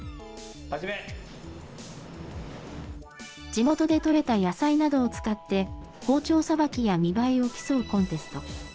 地元で取れた野菜などを使って、包丁さばきや見栄えを競うコンテスト。